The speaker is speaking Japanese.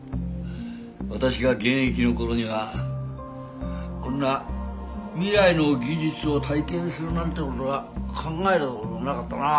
私が現役の頃にはこんな未来の技術を体験するなんて事は考えた事もなかったな。